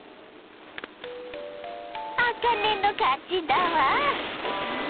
あかねの勝ちだわ。